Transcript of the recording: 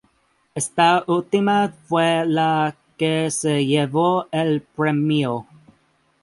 Esta última fue la que se llevó el premio.